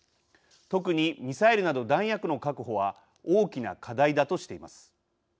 特にミサイルなど弾薬の確保は大きな課題だとしています。